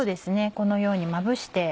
このようにまぶして。